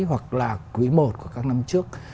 hoặc là quý một của các năm trước